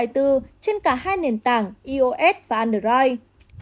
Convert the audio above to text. trên cả hai nền tảng eos và underwrite